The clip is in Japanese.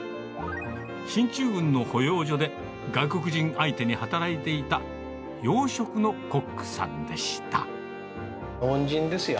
進駐軍の保養所で、外国人相手に働いていた洋食のコックさんでし恩人ですよ。